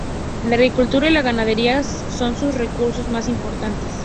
La agricultura y la ganadería son sus recursos más importantes.